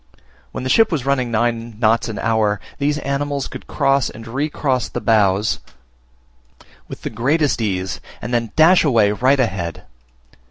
When the ship was running nine knots an hour, these animals could cross and recross the bows with the greatest of ease, and then dash away right ahead.